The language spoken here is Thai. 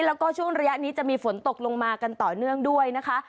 แล้วก็ช่วงระยะนี้จะมีฝนตกลงมากันต่อเนื่องด้วยนะคะ